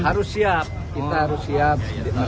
harus siap kita harus siap